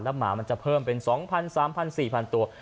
หมามันจะเพิ่มเป็น๒๐๐๓๐๐๔๐๐ตัว